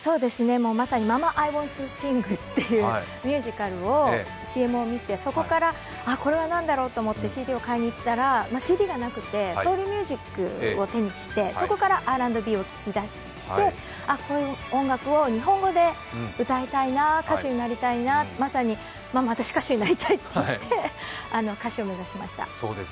まさにママ・アイウォント・シングというミュージカルのＣＭを見て、そこから、これは何だろう？と思ってＣＤを買いにいったら、ＣＤがなくてソウルミュージックを手にしてそこからＲ＆Ｂを聴きだして日本語で歌いたいな、歌手になりたいなと、ママ私、歌手になりたいと言って歌手を目指しました。